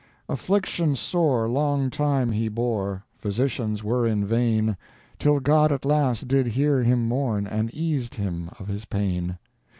Affliction sore long time he bore, Physicians were in vain Till God at last did hear him mourn, And eased him of his pain.